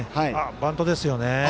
バントですね。